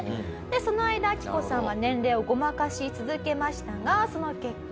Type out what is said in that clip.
その間アキコさんは年齢をごまかし続けましたがその結果。